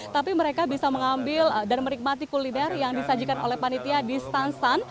tapi mereka bisa mengambil dan menikmati kuliner yang disajikan oleh panitia di stanstan